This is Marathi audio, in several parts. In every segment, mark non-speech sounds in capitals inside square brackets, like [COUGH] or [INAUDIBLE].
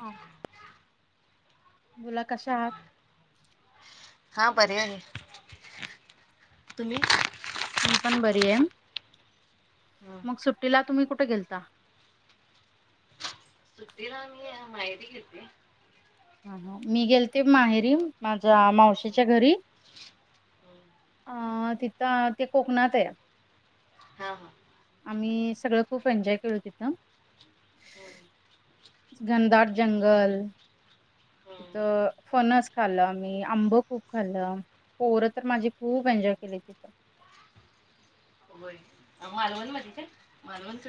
ह. मुल कश आहात. हा बरी आहे. तुम्ही मी पण बरी आहे, ह मग सुट्टीला तुम्ही कुठे गेलता. सु्टीला आम्ही माहेरी गेलतो. हा- हा मी गेलते माहेरी माझ्या मावशीच्या घरी. अ तिथ ते कोकणात आहे. हा हा. आम्ही सगळ खूप एन्जॉय केलू तिथ. घनदाट जंगल. तिथ फणस खाल आम्ही आंब खूप खाल्ल. पोर तर माझी खूप एन्ॉय केली तिथ. होय मालवण म्हणजे मालवण तु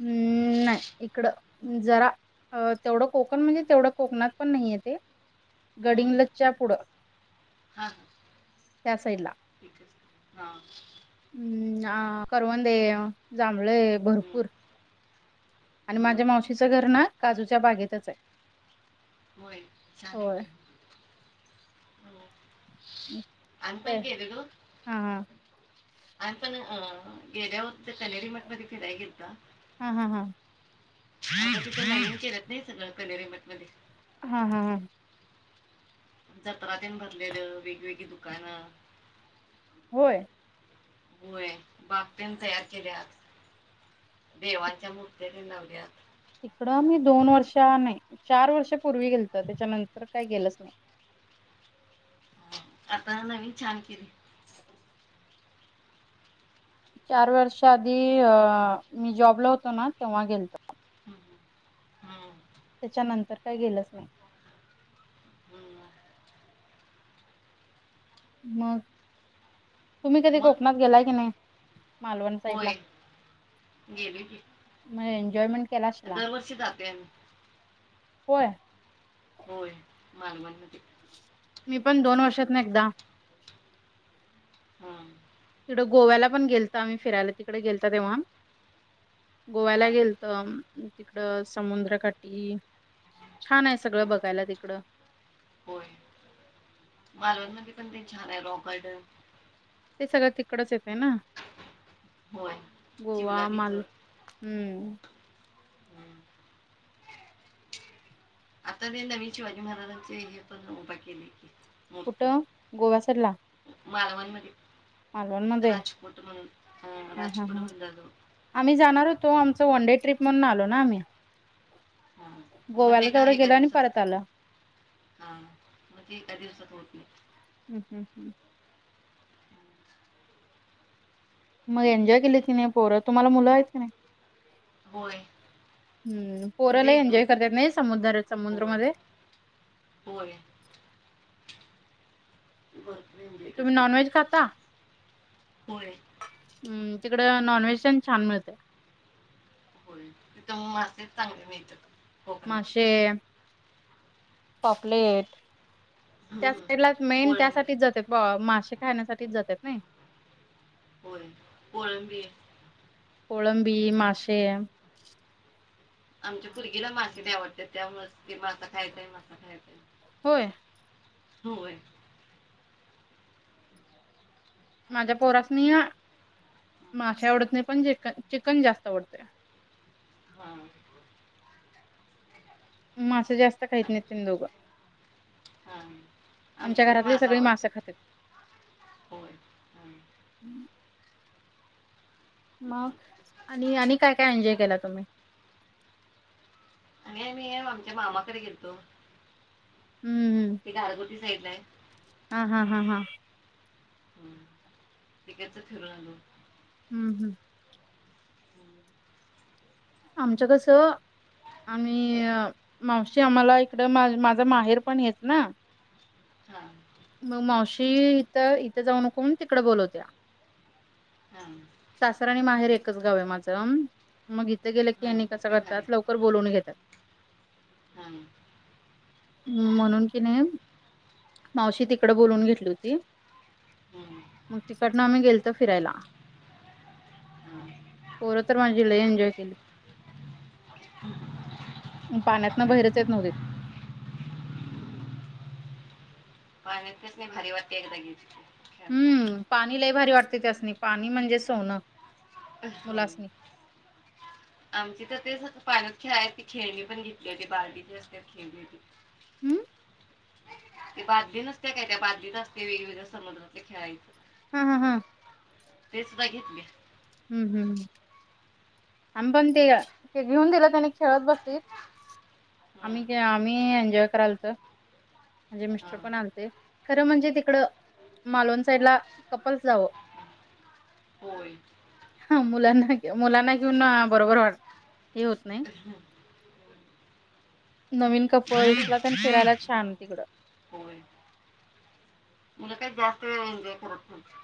हम्म नाही इकड जरा अ तेवढ कोकण म्हणजे तेवढ कोकणात पण नाही येत ते. हम्म हम्म गडिंगलच्या पुढ हा हा त्या साईडला. हा. हम्म. हा करवंदे, जांभळेय हम्म भरपूर. आणि हम्म माझ्या मावशीच घर ना काजूच्या बागेतच आहे. चांगले होय. हे. [INAUDIBLE] आम्ही ते पण गेलेलो. हा हा आम्हीपण अ गेल्यावरी [UNINTELLIGIBLE] मट मध्ये फिराया गेलतो. हा हा हा. [UNINTELLIGIBLE] हा हा हा. जत्रात देन भरलेल वेगवेगळी दुकान. होय. होय बाग ते न तयार केल्यात. देवांच्या मुर्त्या ते न लावल्यात. तिकडं मी दोन वर्ष नाही चार वर्ष पूर्वी गेलत त्याच्यानंतर काय गेलंच नाही. आता नवीन छान केलय. चार वर्ष आधी मी जॉबला होतो ना तेव्हा गेलतो. हम् हम्. त्याच्यानंतर काय गेलंच नाही. हम्म. मग, तुम्ही कधी मग कोकणात गेलाय की नाही? मालवण साईड ला? होय गेली की म एन्जॉयमेंट गेलं अशिला? दरवर्षी जाते आम्ही होय. होय मालवणमध्ये. मी पण दोन वर्षातन एकदा. हा. तिकडं गोव्याला पण गेलतो आम्ही फिरायला तिकडे गेलत तेव्हा, हा. गोव्याला गेल त, तिकडं समुद्रकाटी छान आहे सगळं हम्म. बघायला तिकडं. होय, मालवणमध्ये पण ते छान आहे रॉक गार्डन. ते सगळं तिकडच येतय ना, होय चिवला गोवा, बीच माल हम्म. आता ते नवीन शिवाजी महाराजांचे हे पण उबा केलेय की. कुट? गोव्यासाईडला. मालवण मध्ये, राजपूट म्हणून, अ हा हा राजपूट हा बंदाऱ्या जवळ. आम्ही जाणार होतो, आमचं वनडे ट्रिप म्हणून आलो ना आम्ही, मग गोव्याला ते का तेवड गेल एका आणि दिवसात परत आल. हा म ते एका दिवसात होत नाई. हम् हम् हम्. म एन्जॉय केलीत की नाई पोरं, तुमाला मुलं आयत का नाइ? होय हम्म पोर उद्या लई एक दोन एन्जॉय करत्यात नाई समुद्र होय समुद्रमदे? होय भरपूर एन्जॉय तुम्ही नॉन करतात व्हेज खाता? होय. हम्म तिकड नॉनव्हेज तेन छान मिळतय. होय, तित मासेच चांगले मिळत्यात. माशे पॉपलेट, त्या हम्म. साईडला मेन कोळंबी त्यासाटीच जात्यात. ब माशे खाण्यासाटीच जात्यात नाइ. होय, कोळंबी. कोळंबी, माशे. आमच्या पुरगीला माशे आवडत्यात त्यामुळच की मासा खायचाय मासा खायचाय. होय? होय. माझ्या पोरासनी माशे आवडत नाई पण च चिकन जास्त आवडतय. हा. माशे जास्त खाईत नाइ तेनी दोग. हां आमच्या आमचे घरातली मासा सगळी मासें आवडतात खात्यात. होय हां मग, आणि-आणि काय-काय एन्जॉय केला तुम्ही? आणि काय नई आमच्या मामाकडे गेलतो. हम्म. ते गारगोटी साईडलायं. हा-हा, हा-हा. हम्म, तिकडच फिरून आलो. हम्म-हम्म. आमच्या कसं आणि मावशी, आमाला इकड मा माझा माहेर पण हेच ना. हा. मग मावशी, हित इत जाऊ नको म्हणून तिकडं बोलवत्या. हा. सासरं आणि माहेर एकच गाव आहे माझं, मग इथे गेलं की हां यांनी मग कस काय करतात भारी लवकर? तर बोलवून घेतात. हम. म्हणून की नाही मावशी तिकडं बोलवून घेतली होती, हम्म, मग तिकडनं आम्ही गेलत फिरायला. हा. पोरं तर माझी लई एन्जॉय केली. [UNINTELLIGIBLE] पाण्यातन होय भइरच येत नव्हतीत. [INAUDIBLE] पाण्यात त्यास नी भारी वाटतंयं, एकदा गेलं की. हम्म, पाणी लयभारी वाटते त्यासनी. पाणी म्हणजे सोनं हो. मुलासनी. आमची तर ते स पाण्यात खेळायची खेळणी पण घेतली होती, बारडीची असते खेळणी ती. हमं. ती बादली नसत्या काय? त्या बादलीत असते वेगवेगळ्या समुद्रातलं खेळायचे. हा-हा. तेचं बघितले. हम्म-हम्म. आम्ही पण ते-ते घेऊन दिला त्याने. खेळत बसलीत. हम्म, आम्ही काय, आम्ही एन्जॉय करायलतो. माझे मिस्टर हां, पण आलंते खरं म्हणजे तिकडं. मालवण साईडला कपल्स जावं. हां. होय. हा, मुलांना-मुलांना घेऊन बरोबर वाढ हे होत नाही. हं. नवीन मुलं कपल्सला काय- तेन फिरायला हां, छान तिकडं. होय. मुलं काही जास्त वेळ एन्जॉय करत नाहीत.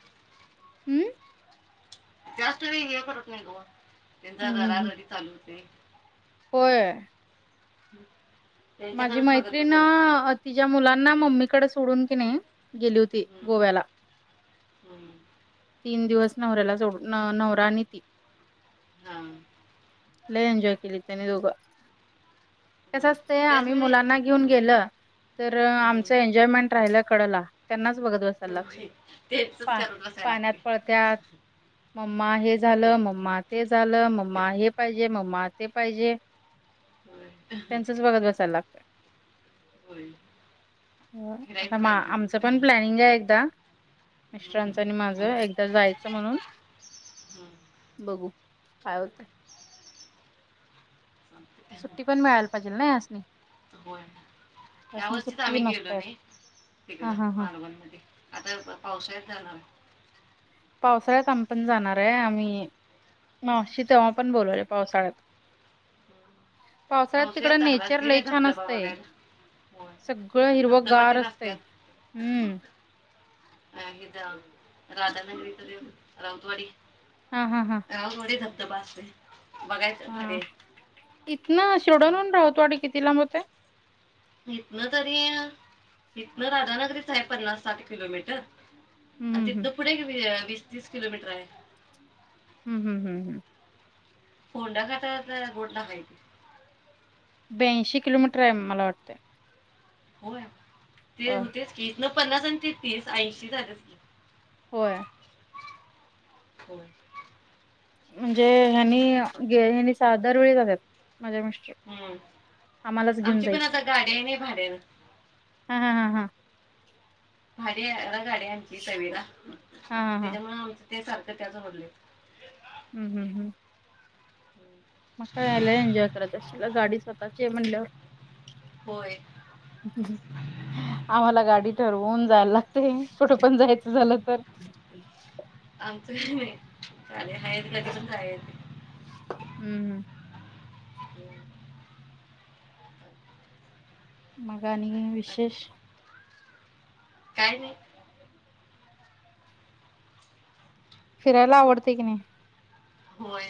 हम्म. जास्त वेळ हे करत नाही गं, त्यांचा हम्म हम्म रडारडी चालू होते. होय. [INAUDIBLE] माझी बघत मैत्रिण बसायला लागते अ तिच्या मुलांना मम्मीकडे सोडून तिने गेली होती हम्म, गोव्याला. हम्म, तीन दिवस नवऱ्याला सोडून नवरा आणि ती हा लय एन्जॉय केली त्यानी दोघं. कस होय. असत त्याच आम्ही म्हणजे मुलांना- त्यांना घेऊन गेलं, हम्म, आमचं एन्जॉयमेंट राहिलं कडेला त्यांनाच बघत बसायचं.. होय. तेच त करत बसायला पाण्यात लागते पळत्यात. मम्मा हे झालं होय, मम्मा ते झालं मम्मा हे पाहिजे मम्मा ते पाहिजे. हो [UNINTELLIGIBLE] त्यांचच बघत बसायला लागतंय. होय. फिरायचं आता राहिलं आमचं पण प्लॅनिंग आहे एकदा हम्म, मिस्टरांचं हम्म, आणि माझ एकदा जायचं म्हणून, बघू काय होतं. चालतंय. सुट्टी पण मिळायला पाहिजे ना यासनी. त्यासनी यावर्षीच सुट्टी आम्ही गेलो नसत्यात. नाही हा तिकडं हा हा. मालवण मध्ये आता पावसाळ्यात जाणार. पावसाळ्यात आम्हीपण जाणार आहे, आम्ही मावशी तेव्हा पण बोलवले पावसाळ्यांत. पावसाळ्यात तिकडं चांगला नेचर असते लय रे छान धबधबा असतंय. बघायला होय सगळं आणि हिरव धबधबा गार ते असतंय. नसतात हम्म [UNINTELLIGIBLE] राधानगरी तर दे राऊतवाडी हा हा हां राऊतवाडी धबधबा असतोय. हा इथनं शिरडोन वरन हम्म. राऊतवाडी किती लांब होते? इथनं तरी इथनं राधानगरीच आहे पन्नास साठ किलोमीटर. आणि हम्म हम्म. तिथं पुढे वीस तीस किलोमीटर आहे. हम्म हम्म हम्म हम्म होोंडा खात तर गोडला माहिती [INAUDIBLE] ब्याऐंशी किलोमीटर आहे मला वाटतं होय होय तेच की इतनं पन्नास आणि ते तीस ऐंशी झालेचकी. होय हो म्हणजे हेन्ही गे हनी सहा दरवेेळी जातत माझ्या मि हम्म आमची पण आता गाडी आहे नाही भाड्याने. हा हा हा हा भाडी गाडी आमची तवेरा हा हा हा. त्यांच्यामुळे आमचं ते सारखं त्याच भरले. हम्म हम्म हम्म मग लय एन्जॉय करत असशीला गाडी स्वतःची म्हणल्यावर. होय. आम्हाला गाडी हम्म. ठरवून जायला लागतय, कुठे पण जायचं झालं तर, आमचंले ह कध पण झाय [INAUDIBLE] हम्म हो [INAUDIBLE] मग आणी काय विशेष? काय नाही. फिरायला आवडतेय की. होय.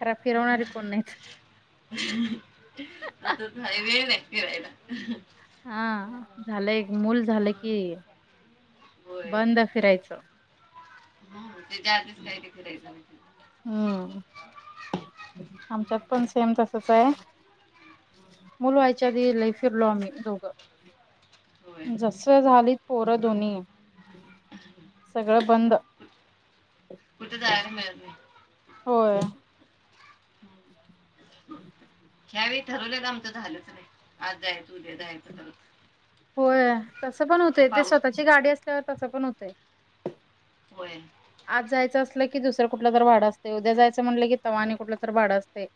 खरा फिरवणारे कोण नाहीत. आता वेळ नाही फिरायला. हा झालंय एक मूल झालं की होय बंद फिरायचं. जे ते आधीचं काय ते फिरायचं. हम्म आमच्यात हम्म, पण सेम तसचं आहे. मुल व्हायच्या आधी लई फिरलो आम्ही दोघं. होय जसं झालीत पोरं दोन्ही सगळं बंद. कुठं जायला मिळत नाही. होय. ह्यावेळी ठरवलेलं आमचं झालंच नाही, आज जायचं उद्या जायचं करत. होय तसं पण होते, ते पाऊस स्वतःची गाडी असल्यावर तसं पण होतंय. होय. आज जायचं असलं की दुसरं कुठलं तर भाडं असते. उद्या जायचं म्हणलं की तवा आणि कुठलं तर भाडं असतंय.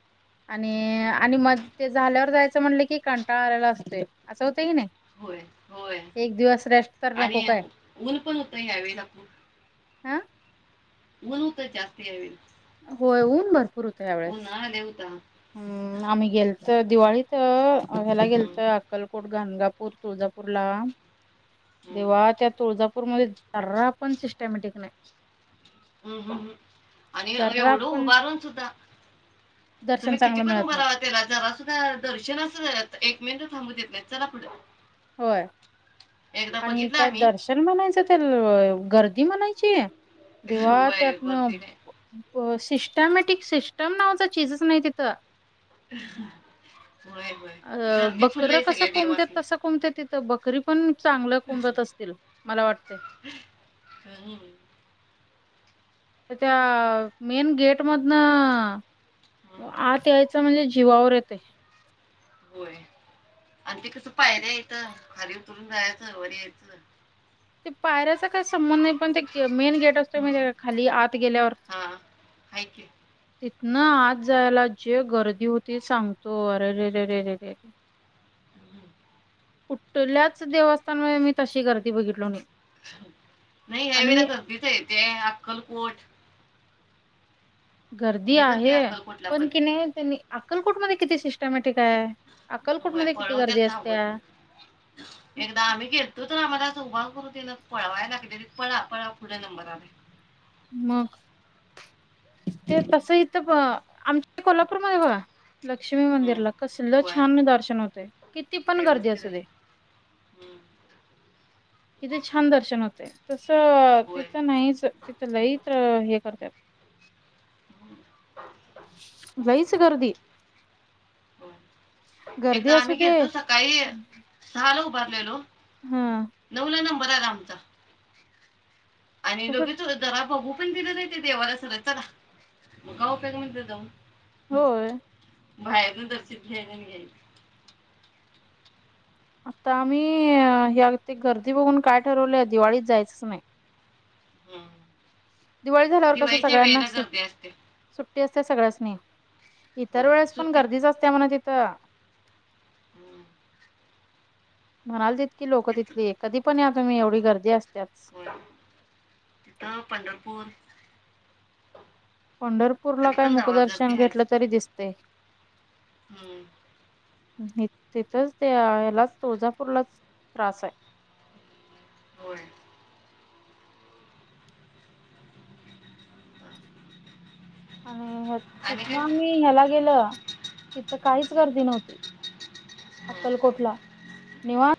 आणि हम्म, आणि मग ते झाल्यावर जायचं म्हणलं, की कंटाळा आलेला असतोय, असं होतं कि नाही? होय होय एक दिवस रेस्ट तर नको आणि काय ऊन पण होतं ह्यावेळीला खूप. आ? ऊन होतं जास्त यावेळी. होय ऊन भरपूर होतं यावेेळेस. उन्हाळा लय होता हम् आम्ही गेलतो दिवाळीत ह्याला हम्म, गेलतो अक्कलकोट, गाणगापूर, तुळजापूरला. हम्म, तेव्हा त्या तुळजापूरमध्ये जरा पण सिस्टमॅटिक नाही. हम्म हम्म हम्म. आणि जरा एवढं पण उभारून सुद्धा, दर्शन तुम्ही किती चांगलं पण मिळत उभा नाही राहा त्याला जरा सुद्धा दर्शनाचं एक मिनिटं थांबू देत नाहीत चला पुढं. होय एकदा बघितलं आम्ही. तरी म्हणायचं त्या गर्दी म्हणायची, तेव्हा वय गर्दी नाही त्यातनं सिस्टमॅटिक सिस्टम नावाचा चीजच नाही तिथं. होय. अ बकर कसं कोंबत्यात तसं कोंब तेत बकरी पण चांगल्या कोंबत असतील मला वाटते. हम्म. तर त्या मेन गेट मधनं हम्म, आत याय चं म्हणजे जीवावर येतंय. होय [INAUDIBLE] आणि ते कसं पायऱ्या येतं खाली उतरून जायचं वर यायचं. ते पायऱ्याचा काही संबंध नाही, पण ते मेन गेट असतो हम्म, माहितीये का खाली आत गेल्यावर? हा हाय कि. तिथनं आत जायला जे गर्दी होती सांगतो अरेरेरेरेेरे. हम्म. कुठल्याचं देवस्थानमध्ये मी तशी गर्दी बघितलो नाही. नाही ह्या वेळे आणि गर्दीचंय ते अक्कलकोट गर्दी आहे पण कि नाही त्यांनी अक्कलकोटमध्ये किती सिस्टमॅटिक आहे. होय अक्कलकोटमध्ये किती पळवत्यात गर्दी धावत असत्या. नाही. एकदा आम्ही गेलेतो तर आम्हाला असं उभा करू देय नात पळवाय लागले, पळा पळा पुढे नंबर आलंय. मग. ते तसं इथं ब आमच्या कोल्हापूरमध्ये बघा. लक्ष्मी हम्म, मंदिरला कसलं होय छान दर्शन होते. किती पण गर्दी व्यवस्थित असु आहे दे. हम्म, तिथे छान दर्शन होते तसं होय तिथं नाहीच होत तिथं लयित हे करतात. हम् [UNINTELLIGIBLE] लईच गर्दी होय गर्दी एकदा असू आम्ही दे गेलतो सकाळी हा हा बाब्यानो हा नवला नंबर आला आमचा आणि तसच दोघीच होतो ना बघू पण दिल नाही ते देवाला सगळ चला मग काय उपयोग मग तिथ जाऊन होय. बाहेरुन दर्शन घ्यायन नियायच आता आम्ही हे ते गर्दी बघून काय ठरवलंय दिवाळीत जायचंच नाही. दिवाळी ह्म्म झाल्यावर कसं दिवाळीच्या सगळ्यांना वेळेला सु गर्दी असते. सुट्टी असते सगळ्याचनी इतर होय वेळेस पण सुट्टीत गर्दीच असते म्हणा तिथं हम्म. म्हणाल तितकी लोकं तिथं तिथली कधी पण या तुम्ही एवढी हम्म. गर्दी असत्याच दाव पंढरपूर पंढरपूरला कधी काय पण जावा गर्दी मुकदर्शन घेतलं आहेच तरी दिसते. हम्म तिथच त्या याला तुळजापूरला त्रास आहे. होय आणि ह्या आणि तिथनं काय आम्ही ह्याला गेल तिथं काहीच गर्दी नव्हती. हम्म. अक्कलकोटला निवा